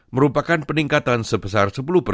merupakan peningkatan sebesar sepuluh